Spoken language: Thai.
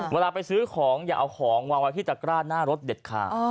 เวลาไปซื้อของอย่าเอาของวางไว้ที่ตะกร้าหน้ารถเด็ดขาด